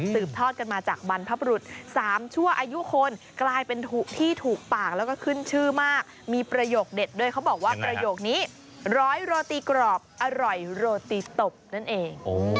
ทอดกันมาจากบรรพบรุษ๓ชั่วอายุคนกลายเป็นที่ถูกปากแล้วก็ขึ้นชื่อมากมีประโยคเด็ดด้วยเขาบอกว่าประโยคนี้ร้อยโรตีกรอบอร่อยโรตีตบนั่นเอง